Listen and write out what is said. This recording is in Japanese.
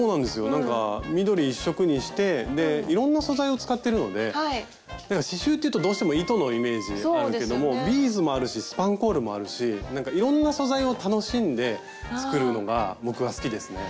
なんか緑一色にしてでいろんな素材を使ってるので刺しゅうっていうとどうしても糸のイメージあるけどもビーズもあるしスパンコールもあるしなんかいろんな素材を楽しんで作るのが僕は好きですね。